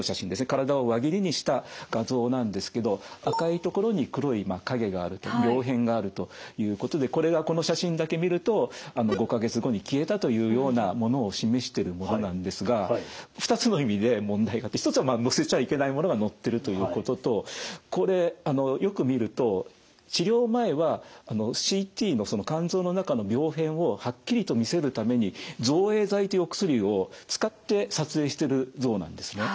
体を輪切りにした画像なんですけど赤い所に黒い影があると病変があるということでこれはこの写真だけ見ると５か月後に消えたというようなものを示してるものなんですが２つの意味で問題があって一つは載せちゃいけないものが載ってるということとこれよく見ると治療前はＣＴの肝臓の中の病変をはっきりと見せるために造影剤というお薬を使って撮影してる像なんですね。